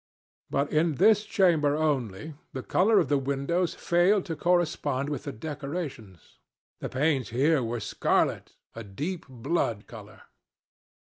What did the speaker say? But in this chamber only, the color of the windows failed to correspond with the decorations. The panes here were scarlet—a deep blood color.